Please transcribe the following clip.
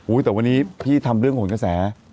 แต่วันนี้พี่ทำเรื่องของกระแส